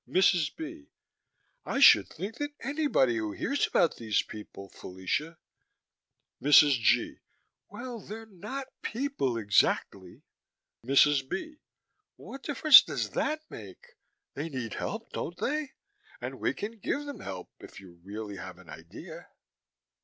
MRS. B.: I should think anybody who hears about these people, Fellacia MRS. G.: Well, they're not people, exactly. MRS. B.: What difference does that make? They need help, don't they? And we can give them help. If you really have an idea?